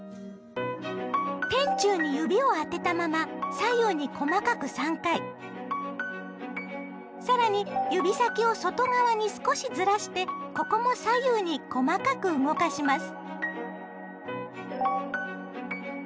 天柱に指を当てたまま更に指先を外側に少しずらしてここも左右に細かく動かします。